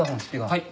はい。